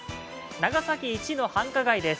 長崎一の繁華街です。